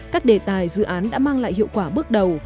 các đề tài dự án đã mang lại hiệu quả bước đầu